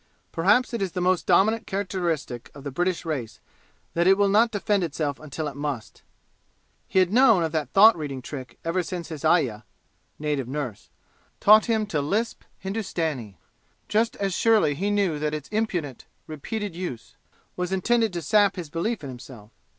Perhaps it is the most dominant characteristic of the British race that it will not defend itself until it must. He had known of that thought reading trick ever since his ayah (native nurse) taught him to lisp Hindustanee; just as surely he knew that its impudent, repeated use was intended to sap his belief in himself.